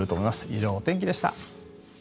以上お天気でした。